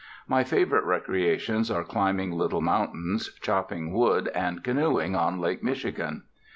My favorite recreations are climbing little mountains, chopping wood, and canoeing on Lake Michigan.